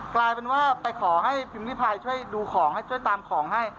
กลายเป็นว่าไปขอให้พิมพิพายช่วยดูของให้ช่วยตามของให้